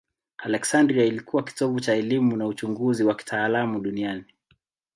Aleksandria ilikuwa kitovu cha elimu na uchunguzi wa kitaalamu duniani.